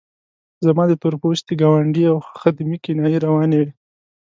زما د تور پوستي ګاونډي او خدمې کنایې روانې وې.